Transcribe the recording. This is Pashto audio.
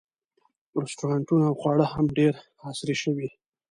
رسټورانټونه او خواړه هم ډېر عصري شوي.